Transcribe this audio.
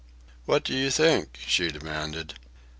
"What do you think?" she demanded.